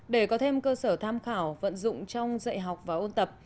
để có thêm cơ sở tham khảo vận dụng trong dạy học và ôn tập